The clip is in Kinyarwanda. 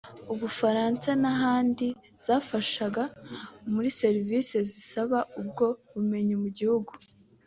Ubufaransa n’ahandi zafashaga muri serevisi zisaba ubwo bumenyi mu gihugu